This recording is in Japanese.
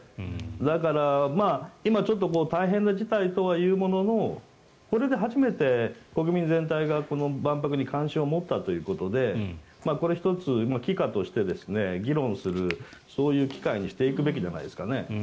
だから、今ちょっと大変な事態とはいうもののこれで初めて国民全体がこの万博に関心を持ったということでこれを１つ奇貨として議論する、そういう機会にしていくべきじゃないですかね。